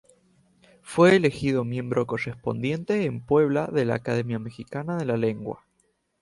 Fue elegido miembro correspondiente en Puebla de la Academia Mexicana de la Lengua.